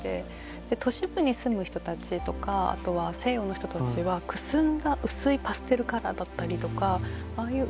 都市部に住む人たちとかあとは西洋の人たちはくすんだ薄いパステルカラーだったりとかああいう